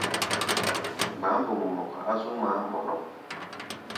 Gba̧á̧ mboŋgo mɔka á zú ŋmaá mbɔɗɔk.